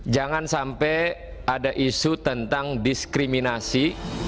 jangan sampai ada isu tentang diskriminasi